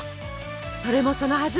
それもそのはず